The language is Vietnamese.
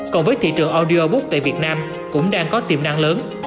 còn với thị trường audiobook tại việt nam cũng đang có tiềm năng lớn